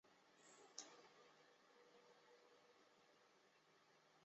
表字稷臣。